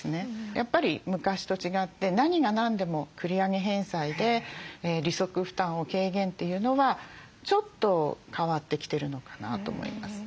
やっぱり昔と違って何が何でも繰り上げ返済で利息負担を軽減というのはちょっと変わってきてるのかなと思います。